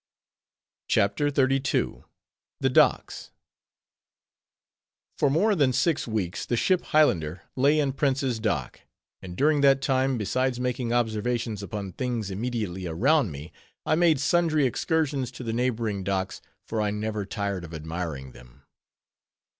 CHAPTER XXXII. THE DOCKS For more than six weeks, the ship Highlander lay in Prince's Dock; and during that time, besides making observations upon things immediately around me, I made sundry excursions to the neighboring docks, for I never tired of admiring them.